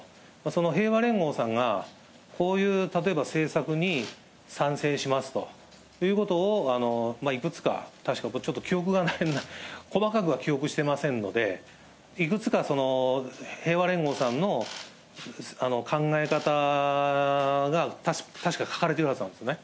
その平和連合さんが、こういう例えば政策に賛成しますということを、いくつか、確かちょっと記憶が、細かくは記憶していませんので、いくつか平和連合さんの考え方が、確か書かれてるはずなんですね。